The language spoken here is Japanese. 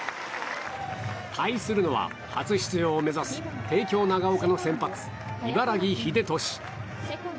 対するのは、初出場を目指す帝京長岡の先発、茨木秀俊。